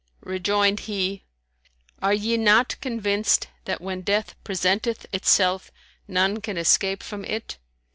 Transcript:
Rejoined he, "Are ye not convinced that when death presenteth itself, none can escape from it?